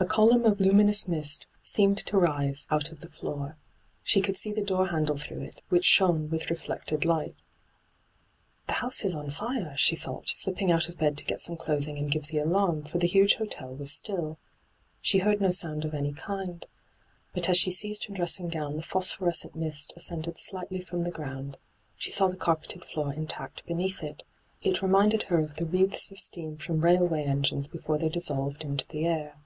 A column of luminous mist seemed to rise hyGoogIc 124 ENTRAPPED out of the floor. She could see the door handle through it, which ehone with reflected light. ' The house ia on fire/ she thought, slipping out of bed to get some clothing and give the alarm, for the huge hotel was stilL She heard no sound of any kind. But as she seized her dressing gown the phosphorescent mist ascended slightly from the ground — she saw the carpeted floor intact beneath it. It reminded her of the wreaths of steam from rail way engines before they dissolved into the air.